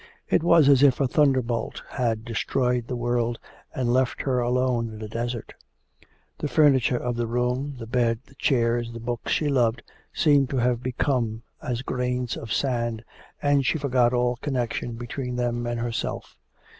It was as if a thunderbolt had destroyed the world, and left her alone in a desert. The furniture of the room, the bed, the chairs, the books she loved, seemed to have become as grains of sand, and she forgot all connection between them and herself.